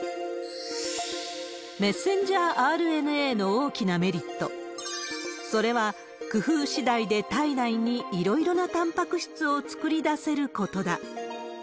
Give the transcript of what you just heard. メッセンジャーＲＮＡの大きなメリット、それは工夫しだいで体内にいろいろなたんぱく質を作り出せることだ。